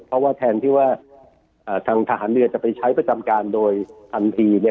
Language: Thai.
เพราะว่าแทนที่ว่าทางทหารเรือจะไปใช้ประจำการโดยทันที